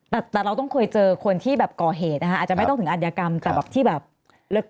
แต่แต่เราต้องเคยเจอคนที่แบบก่อเหตุนะคะอาจจะไม่ต้องถึงอัธยกรรมแต่แบบที่แบบลึก